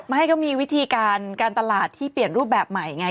ไม่ก็มีวิธีการการตลาดที่เปลี่ยนรูปแบบใหม่ไง